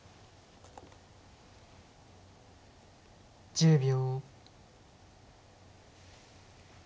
１０秒。